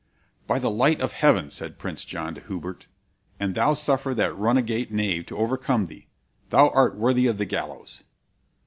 "'By the light of Heaven!' said Prince John to Hubert, 'an thou suffer that runagate knave to overcome thee, thou art worthy of the gallows!'